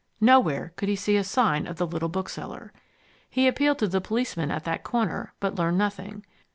Nowhere could he see a sign of the little bookseller. He appealed to the policeman at that corner, but learned nothing.